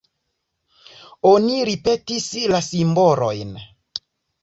Oni ripetis la simbolojn.